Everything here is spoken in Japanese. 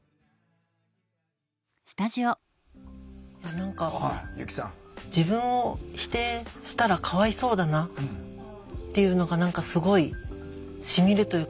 何か自分を否定したらかわいそうだなっていうのが何かすごいしみるというか。